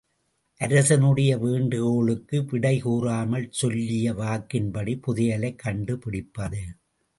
அரசனுடைய வேண்டுகோளுக்கு விடை கூறாமல் சொல்லிய வாக்கின்படி புதையலைக் கண்டு பிடிப்பது.